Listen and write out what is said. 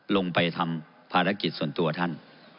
ลงไปทำภารกิจส่วนตัวท่าน